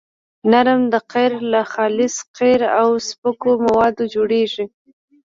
نرم قیر له خالص قیر او سپکو موادو جوړیږي